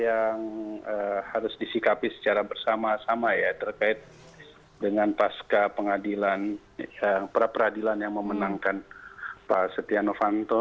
yang harus disikapi secara bersama sama ya terkait dengan pasca peradilan yang memenangkan pak stiano fanto